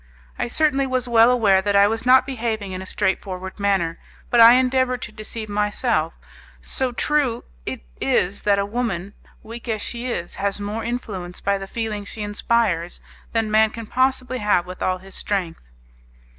I certainly was well aware that I was not behaving in a straightforward manner, but I endeavoured to deceive myself, so true it is that a woman, weak as she is, has more influence by the feeling she inspires than man can possibly have with all his strength.